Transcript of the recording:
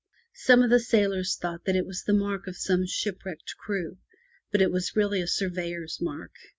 Some of the sailors thought that it was the mark of some shipwrecked crew, but it was really a sur veyor's mark.